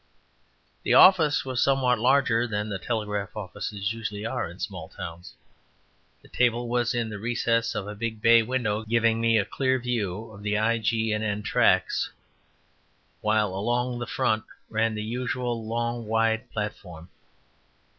The office was somewhat larger than the telegraph offices usually are in small towns. The table was in the recess of a big bay window, giving me a clear view of the I. & G. N. tracks, while along the front ran the usual long wide platform.